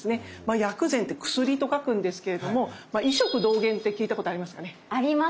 薬膳って薬と書くんですけれども「医食同源」って聞いたことありますかね。あります。